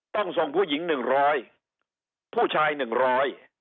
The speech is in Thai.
ส่งผู้หญิงหนึ่งร้อยผู้ชายหนึ่งร้อย